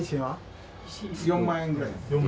４万円ぐらいです。